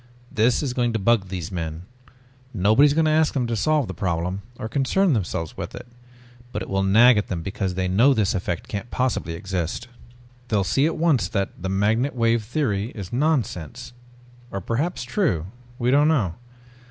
This is going to bug these men. Nobody is going to ask them to solve the problem or concern themselves with it. But it will nag at them because they know this effect can't possibly exist. They'll see at once that the magnetic wave theory is nonsense. Or perhaps true? We don't know.